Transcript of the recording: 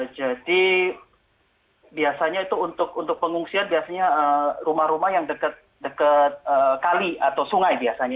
jadi biasanya itu untuk pengungsian biasanya rumah rumah yang dekat kali atau sungai biasanya